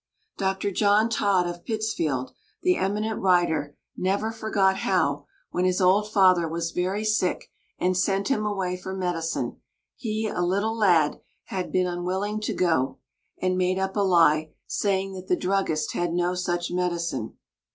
Dr. John Todd, of Pittsfield, the eminent writer, never forgot how, when his old father was very sick, and sent him away for medicine, he, a little lad, been unwilling to go, and made up a lie, saying that the druggist had no such medicine.